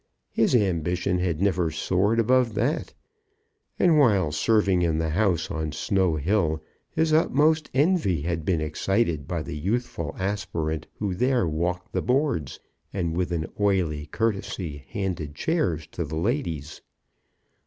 His ambition had never soared above that, and while serving in the house on Snow Hill, his utmost envy had been excited by the youthful aspirant who there walked the boards, and with an oily courtesy handed chairs to the ladies.